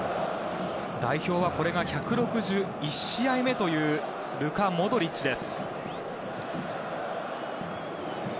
代表はこれが１６１試合目というルカ・モドリッチです。